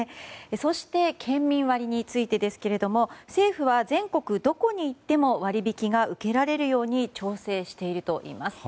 そして、県民割についてですが政府は全国どこに行っても割引が受けられるように調整しているといいます。